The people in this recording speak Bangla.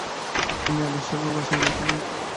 তিনি এল সেবুর বাসিন্দা ছিলেন।